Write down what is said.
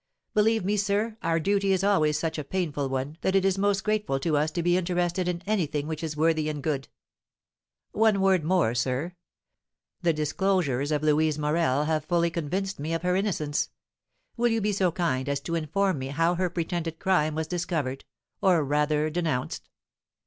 "Believe me, sir, our duty is always such a painful one that it is most grateful to us to be interested in any thing which is worthy and good." "One word more, sir. The disclosures of Louise Morel have fully convinced me of her innocence. Will you be so kind as inform me how her pretended crime was discovered, or rather denounced?"